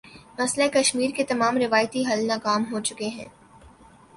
مسئلہ کشمیر کے تمام روایتی حل ناکام ہو چکے ہیں۔